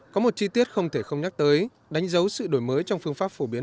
có một chi tiết không thể không nhắc tới đánh dấu sự đổi mới trong phương pháp phổ biến